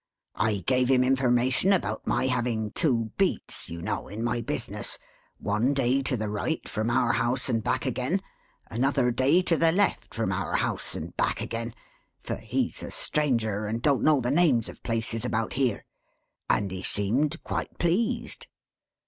I gave him information about my having two beats, you know, in my business; one day to the right from our house and back again; another day to the left from our house and back again (for he's a stranger and don't know the names of places about here); and he seemed quite pleased.